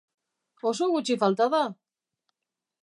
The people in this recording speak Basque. Oso gutxi falta da!